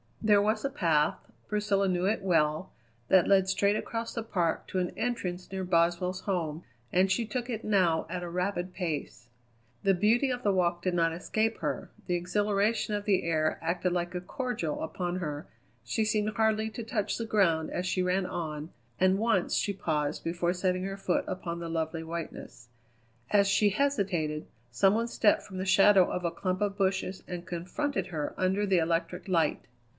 There was a path, Priscilla knew it well, that led straight across the park to an entrance near Boswell's home, and she took it now at a rapid pace. The beauty of the walk did not escape her, the exhilaration of the air acted like a cordial upon her, she seemed hardly to touch the ground as she ran on; and once she paused before setting her foot upon the lovely whiteness. As she hesitated some one stepped from the shadow of a clump of bushes and confronted her under the electric light.